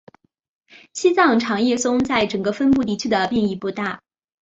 西藏长叶松在整个分布地区的变异不大。